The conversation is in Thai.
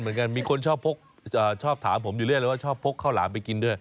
เหมือนกันมีคนชอบถามผมอยู่เรื่อยเลยว่าชอบพกข้าวหลามไปกินด้วย